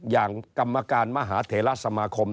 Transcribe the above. อย่างกรรมการมหาเถระสมาคม